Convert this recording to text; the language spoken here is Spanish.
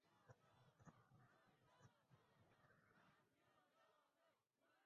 En la última etapa de su carrera antes de retirarse, fue editor adjunto.